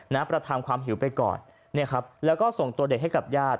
ประทำความหิวไปก่อนเนี่ยครับแล้วก็ส่งตัวเด็กให้กับญาติ